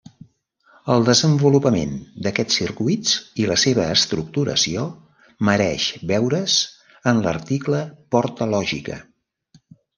El desenvolupament d'aquests circuits i la seva estructuració mereix veure's en l'article porta lògica.